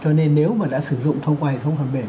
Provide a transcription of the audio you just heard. cho nên nếu mà đã sử dụng thông qua hệ thống phần mềm